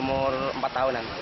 umur empat tahunan